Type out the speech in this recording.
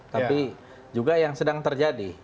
tapi juga yang sedang terjadi